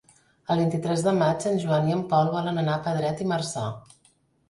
El vint-i-tres de maig en Joan i en Pol volen anar a Pedret i Marzà.